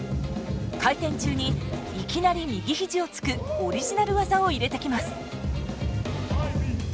回転中にいきなり右肘をつくオリジナル技を入れてきます。